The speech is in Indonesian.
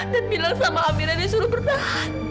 dan bilang sama amira dia suruh bertahan